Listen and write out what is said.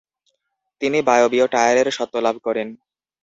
তিনি বায়বীয় টায়ারের স্বত্ব লাভ করেন।